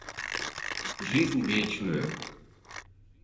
жизнь вечную.